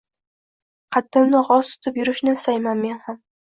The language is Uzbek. Qaddimni g`oz tutib yurishni istayman men ham